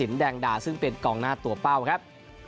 แดงดาซึ่งเป็นกองหน้าตัวเป้าครับ